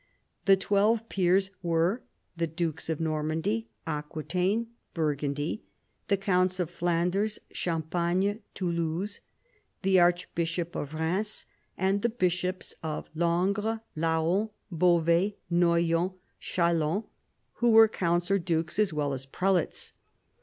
The twelve peers were the dukes of Normandy, Aqui taine, Burgundy, the counts of Flanders, Champagne, Toulouse, the archbishop of Eheims, and the bishops of Langres, Laon, Beauvais, Noyon, Chalons, who were counts or dukes as well as prelates.